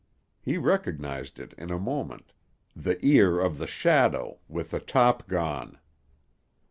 He recognized it in a moment, the ear of the shadow, with the top gone!